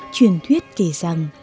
truyền thuyết kể rằng